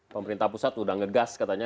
pemerintah pusat sudah ngegas katanya